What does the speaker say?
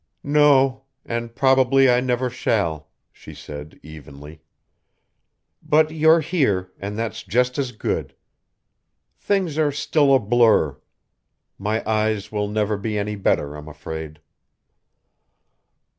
"No, and probably I never shall," she said evenly. "But you're here, and that's just as good. Things are still a blur. My eyes will never be any better, I'm afraid."